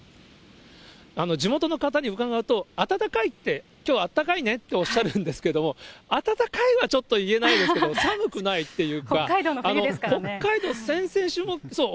地元の方に伺うと、暖かいって、きょうあったかいねっておっしゃるんですけれども、暖かいはちょっと言えないですけど、北海道の冬ですからね。